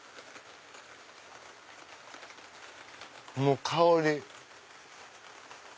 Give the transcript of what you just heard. もう香り。